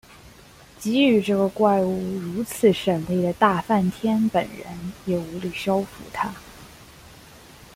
给予这个怪物如此神力的大梵天本人也无力收服它。